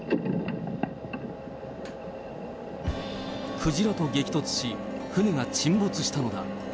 鯨と激突し、船が沈没したのだ。